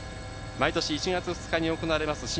毎年１月２日に行われます